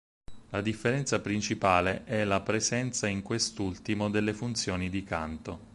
La differenza principale è la presenza in quest'ultimo delle "funzioni di canto".